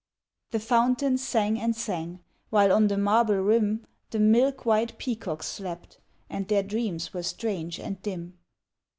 The fountain sang and sang While on the marble rim The milk white peacocks slept, And their dreams were strange and dim.